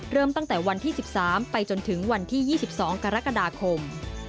เริ่มตั้งแต่วันที่๑๓ไปจนถึงวันที่๒๒กรกฎาคม